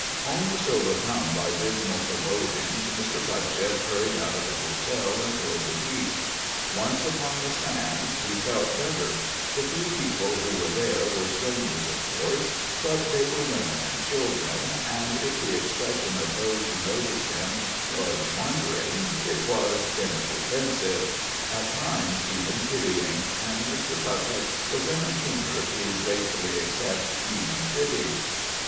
Almost overcome by dismal forebodings, Mr. Putchett hurried out of the hotel and toward the beach. Once upon the sands, he felt better; the few people who were there were strangers, of course, but they were women and children; and if the expression of those who noticed him was wondering, it was inoffensive at times even pitying, and Mr. Putchett was in a humor to gratefully accept even pity.